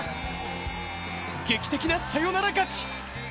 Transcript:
劇的なサヨナラ勝ち。